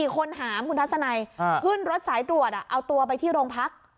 คนหามคุณทัศนัยขึ้นรถสายตรวจเอาตัวไปที่โรงพัก